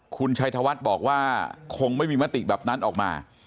คุณชัยธวัฒน์บอกว่าคงไม่มีมติแบบนั้นออกมา